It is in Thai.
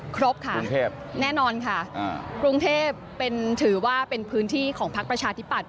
ครบค่ะกรุงเทพแน่นอนค่ะกรุงเทพถือว่าเป็นพื้นที่ของพักประชาธิปัตย